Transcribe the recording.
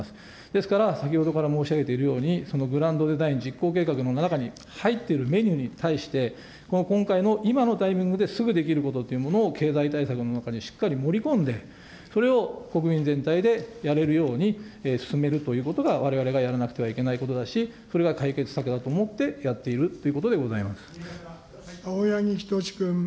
ですから先ほどから申し上げているように、そのグランドデザイン実行計画の中に入っているメニューに対して、この今回の今のタイミングですぐできることということを経済対策の中にしっかり盛り込んで、それを国民全体でやれるように進めるということが、われわれがやらなくてはいけないことだし、それが解決策だと思ってや青柳仁士君。